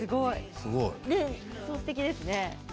すてきですね。